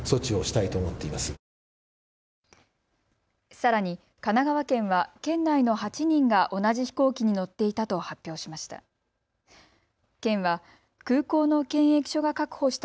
さらに神奈川県は県内の８人が同じ飛行機に乗っていたと発表しました。